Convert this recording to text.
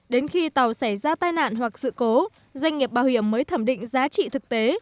đến khi tàu xảy ra tai nạn hoặc sự cố doanh nghiệp bảo hiểm mới thẩm định giá trị thực tế